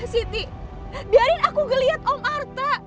siti biarin aku ngeliat om artha